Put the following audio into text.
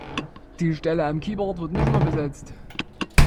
Die Stelle am Keyboard wird nicht mehr besetzt.